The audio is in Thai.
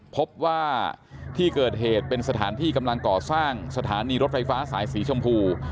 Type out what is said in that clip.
พบว่าที่เกิดเหตุเป็นสถานที่กำลังก่อสร้างสถานีรถไฟฟ้าสายสีชมพู